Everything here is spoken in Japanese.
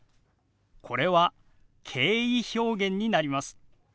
これは敬意表現になります。